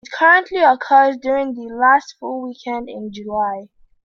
It currently occurs during the last full weekend in July.